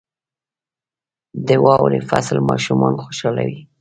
• د واورې فصل ماشومان خوشحالوي.